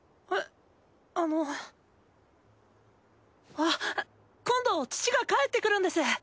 ア！今度父が帰ってくるんです。